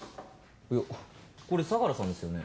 いやこれ相良さんですよね？